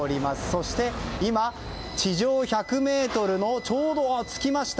そして今、地上１００ｍにちょうど着きました。